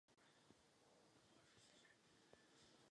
Babiš ocenil její úsilí o demokratizaci Myanmaru.